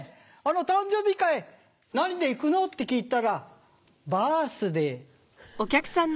「誕生日会何で行くの？」って聞いたらバースデー。